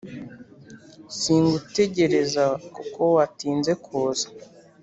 singutegereza kuko watinze kuza